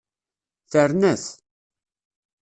Terna-t.